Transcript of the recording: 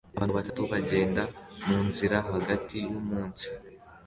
Abantu batatu bagenda munzira hagati yumunsi